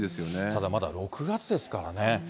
ただ、まだ６月ですからね。